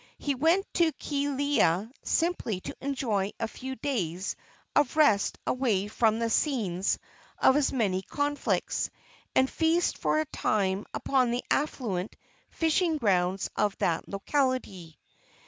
He went to Kealia simply to enjoy a few days of rest away from the scenes of his many conflicts, and feast for a time upon the affluent fishing grounds of that locality.